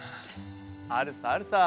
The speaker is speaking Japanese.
あるさあるさ。